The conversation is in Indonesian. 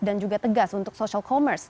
dan juga tegas untuk social commerce